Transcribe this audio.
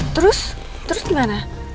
terus terus gimana